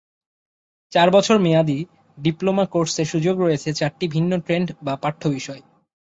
চার বছর মেয়াদি ডিপ্লোমা কোর্সে সুযোগ রয়েছে চারটি ভিন্ন ট্রেড বা পাঠ্য বিষয়।